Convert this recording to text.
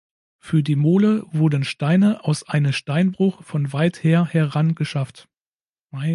Für die Mole wurden Steine aus eine Steinbruch von weit her heran geschafft.